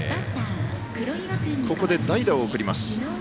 ここで代打を送ります。